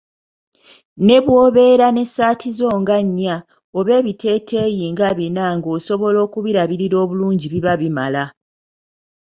Ne bw'obeera n'essaati zo nga nnya oba ebiteeteeyi nga bina nga osobola okubirabirira obulungi biba bimala.